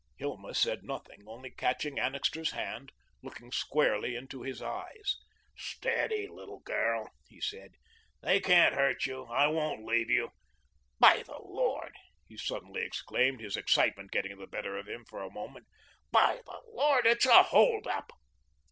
Hilma said nothing, only catching Annixter's hand, looking squarely into his eyes. "Steady, little girl," he said. "They can't hurt you. I won't leave you. By the Lord," he suddenly exclaimed, his excitement getting the better of him for a moment. "By the Lord, it's a hold up."